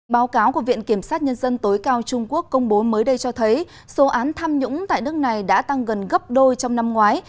báo cáo của viện kiểm sát nhân dân tối cao trung quốc công bố mới đây cho thấy số án tham nhũng tại nước này đã tăng gần gấp đôi trong năm ngoái